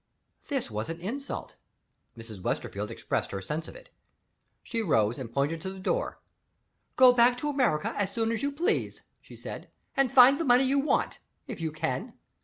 This was an insult; Mrs. Westerfield expressed her sense of it. She rose, and pointed to the door. "Go back to America, as soon as you please," she said; "and find the money you want if you can."